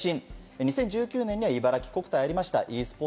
２０１９年には茨城国体がありました。